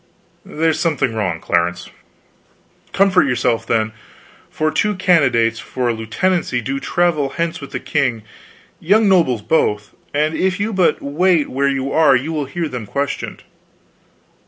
"There's something wrong, Clarence." "Comfort yourself, then; for two candidates for a lieutenancy do travel hence with the king young nobles both and if you but wait where you are you will hear them questioned."